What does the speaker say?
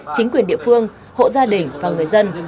chính quyền địa phương hộ gia đình và người dân